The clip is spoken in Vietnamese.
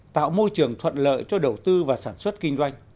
tạo môi trường thuận lợi cho đầu tư và sản xuất kinh doanh